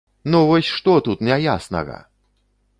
Ну вось, што тут няяснага?!